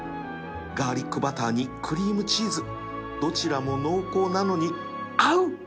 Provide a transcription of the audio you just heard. ガーリックバターにクリームチーズどちらも濃厚なのに合う